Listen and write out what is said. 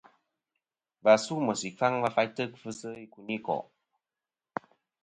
Và su meysì ɨkfaŋ va faytɨ kfɨsɨ ikunikò'.